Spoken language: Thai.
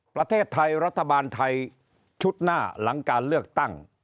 ประเทศไทยรัฐบาลไทยชุดหน้าหลังการเลือกตั้ง